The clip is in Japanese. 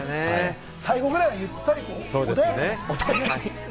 最後くらいはゆったりとね。